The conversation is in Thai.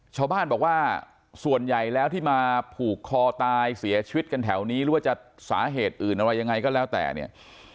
ชาวบ้านบอกว่าส่วนใหญ่แล้วที่มาผูกคอตายเสียชีวิตกันแถวนี้หรือว่าจะสาเหตุอื่นอะไรยังไงก็แล้วแต่เนี่ย